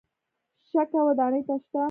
شګه ودانۍ ته شته.